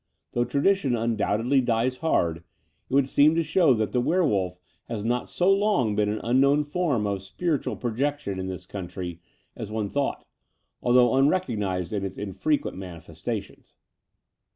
Though tradition undoubtedly dies hard, it would seem to show that the werewolf has not so long been an unknown form of spiritual projection in this country as one thought, although unrecognized in its infrequent manifestations."